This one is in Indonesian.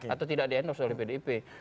atau tidak di endorse oleh pdip